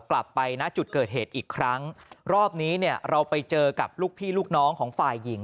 กลับไปณจุดเกิดเหตุอีกครั้งรอบนี้เนี่ยเราไปเจอกับลูกพี่ลูกน้องของฝ่ายหญิง